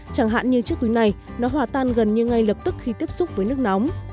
chẳng hạn như chiếc túi này nó hòa tan gần như ngay lập tức khi tiếp xúc với nước nóng